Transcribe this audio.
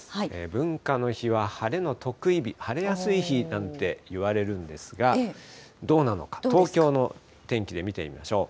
文化の日は晴れの特異日、晴れやすい日なんて、いわれるんですが、どうなのか、東京の天気で見てみましょう。